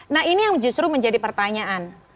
nah ini yang justru menjadi pertanyaan